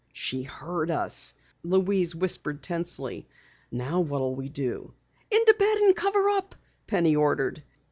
"She heard us!" Louise whispered tensely. "Now what'll we do?" "Into bed and cover up!" Penny ordered.